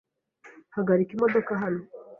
Hagarika imodoka hano.